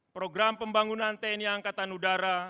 program pembangunan tni angkatan udara